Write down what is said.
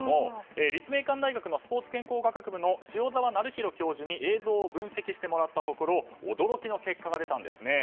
立命館大学のスポーツ健康科学部の塩澤成弘教授に映像を分析してもらったところ驚きの結果が出たんです。